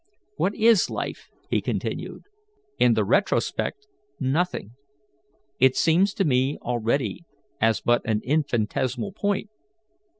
"What is life?" he continued. "In the retrospect, nothing. It seems to me already as but an infinitesimal point.